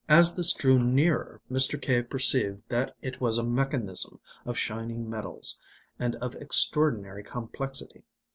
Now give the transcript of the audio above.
As this drew nearer Mr. Cave perceived that it was a mechanism of shining metals and of extraordinary complexity.